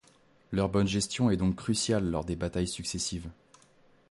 Leur bonne gestion est donc cruciale lors des batailles successives.